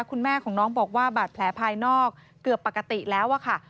คุณแม่ของน้องบอกว่าบาดแผลภายนอกเกือบปกติแล้วอะค่ะ